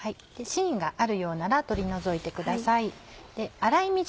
しんがあるようなら取り除いてください。